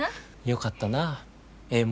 よかったなええ